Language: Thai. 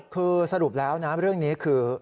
คือสรุปแล้วนะเรื่องนี้คือ